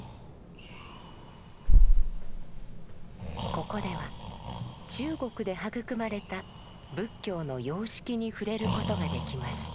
ここでは中国で育まれた仏教の様式に触れることができます。